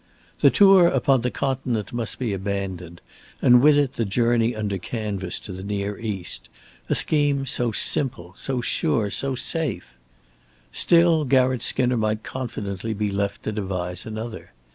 The tour upon the Continent must be abandoned, and with it the journey under canvas to the near East a scheme so simple, so sure, so safe. Still Garratt Skinner might confidently be left to devise another.